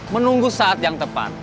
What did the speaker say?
menunggu saat yang tepat